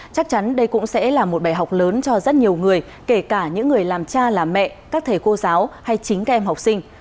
chắc chắn đây cũng sẽ là một bài học lớn cho rất nhiều người kể cả những người làm cha làm mẹ các thầy cô giáo hay chính các em học sinh